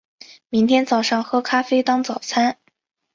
明天早上喝咖啡当早餐